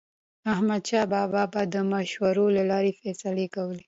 احمدشاه بابا به د مشورو له لارې فیصلې کولې.